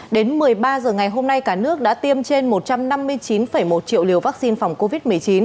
đến một mươi ba h ngày hôm nay cả nước đã tiêm trên một trăm năm mươi chín một triệu liều vaccine phòng covid một mươi chín